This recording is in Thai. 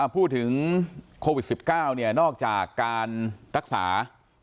พูดถึงโควิด๑๙นอกจากการรักษา